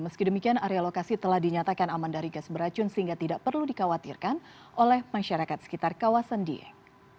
meski demikian area lokasi telah dinyatakan aman dari gas beracun sehingga tidak perlu dikhawatirkan oleh masyarakat sekitar kawasan dieng